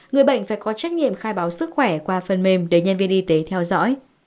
người bệnh phải có trách nhiệm khai báo sức khỏe qua phần mềm để nhân viên y tế theo dõi